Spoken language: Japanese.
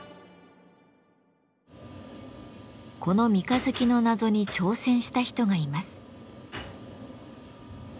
この三日月の謎に挑戦した人がいます。